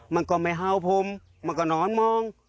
มันก็ไม่เห่าผมมันก็นอนมอง